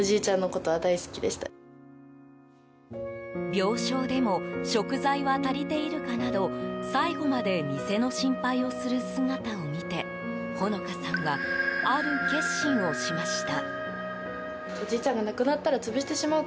病床でも食材は足りているかなど最期まで店の心配をする姿を見て穂乃花さんはある決心をしました。